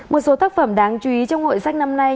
một số tác phẩm đáng chú ý trong hội sách năm nay